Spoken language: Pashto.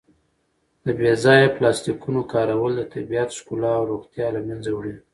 د بې ځایه پلاسټیکونو کارول د طبیعت ښکلا او روغتیا له منځه وړي.